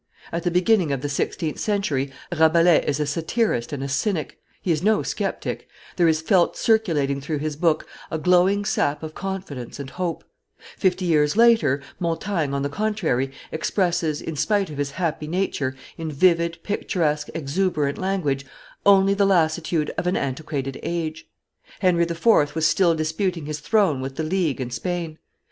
At the beginning of the sixteenth century, Rabelais is a satirist and a cynic, he is no sceptic; there is felt circulating through his book a glowing sap of confidence and hope; fifty years later, Montaigne, on the contrary, expresses, in spite of his happy nature, in vivid, picturesque, exuberant language, only the lassitude of an antiquated age. Henry IV. was still disputing his throne with the League and Spain.